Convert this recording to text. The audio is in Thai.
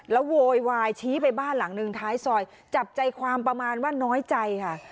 แล้วโวยวายชี้ไปบ้านหลังหนึ่งท้ายซอยจับใจความประมาณว่าน้อยใจค่ะ